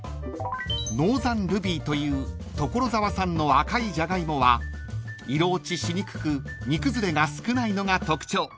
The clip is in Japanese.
［ノーザンルビーという所沢産の赤いジャガイモは色落ちしにくく煮崩れが少ないのが特徴］